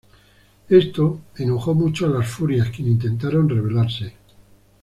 Esto enojó mucho a las furias quienes intentaron rebelarse.